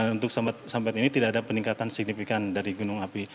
untuk sampai ini tidak ada peningkatan signifikan dari gunung api